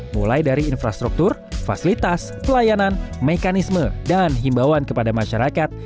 mulai dari infrastruktur fasilitas pelayanan mekanisme dan himbauan kepada masyarakat